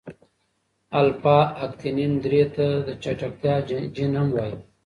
الفا اکتینین درې ته د چټکتیا جین هم وايي.